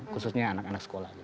khususnya anak anak sekolah